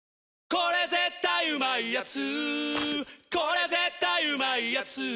これ絶対うまいやつ」